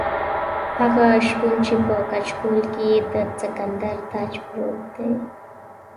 هغه شپون چې په کچکول کې یې د سکندر تاج پروت دی.